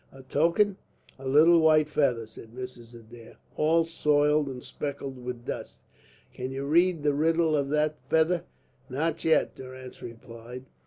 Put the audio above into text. "A token?" "A little white feather," said Mrs. Adair, "all soiled and speckled with dust. Can you read the riddle of that feather?" "Not yet," Durrance replied.